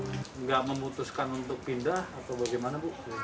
tidak memutuskan untuk pindah atau bagaimana bu